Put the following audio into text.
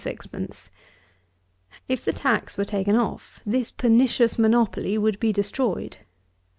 _ If the tax were taken off, this pernicious monopoly would be destroyed.